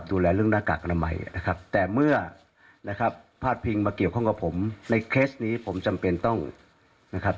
พูดคุยกับคุณครับ